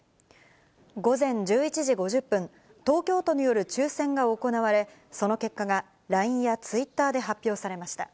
午前１１時５０分、東京都による抽せんが行われ、その結果がラインやツイッターで発表されました。